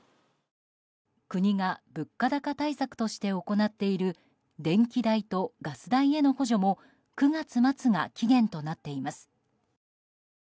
国が物価高対策として行っている電気代とガス代への補助も９月末が期限となっています。